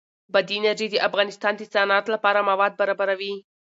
بادي انرژي د افغانستان د صنعت لپاره مواد برابروي.